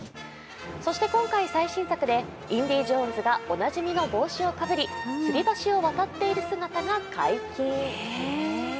そして今回、最新作でインディ・ジョーンズがおなじみの帽子をかぶりつり橋を渡っている姿が解禁。